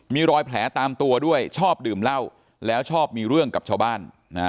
มีรอยแผลตามตัวด้วยชอบดื่มเหล้าแล้วชอบมีเรื่องกับชาวบ้าน